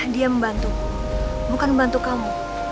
dia membantu bukan membantu kamu